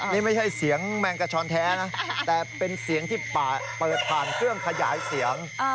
นี่ไม่ใช่เสียงแมงกระชอนแท้นะแต่เป็นเสียงที่เปิดผ่านเครื่องขยายเสียง